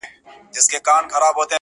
چي یې کټ ته دواړي پښې کړلې ور وړاندي!.